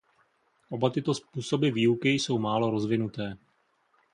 Oba tyto způsoby výuky jsou málo rozvinuté.